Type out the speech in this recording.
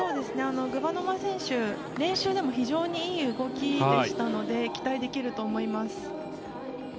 グバノワ選手練習でも非常にいい動きでしたので期待できると思います。